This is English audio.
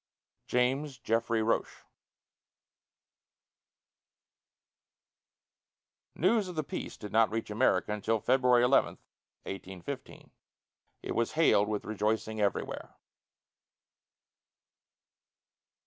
JAMES JEFFREY ROCHE. News of the peace did not reach America until February 11, 1815. It was hailed with rejoicing everywhere.